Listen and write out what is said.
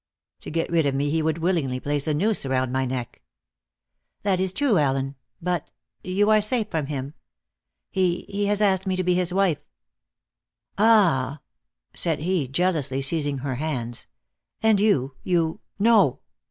To get rid of me he would willingly place a noose round my neck." "That is true, Allen. But you are safe from him. He he has asked me to be his wife." "Ah!" said he, jealously seizing her hands. "And you you No!"